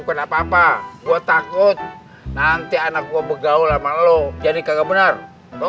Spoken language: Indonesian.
kenapa kenapa gua takut nanti anak gua bergaul sama lo jadi kagak benar dong